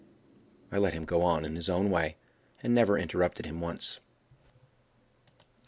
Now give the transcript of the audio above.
I let him go on in his own way, and never interrupted him once.